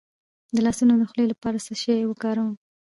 د لاسونو د خولې لپاره څه شی وکاروم؟